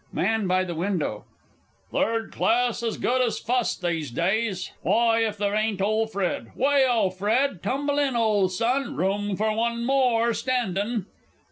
_ MAN BY THE WINDOW. Third class as good as fust, these days! Why, if there ain't ole Fred! Wayo, Fred, tumble in, ole son room for one more standin'!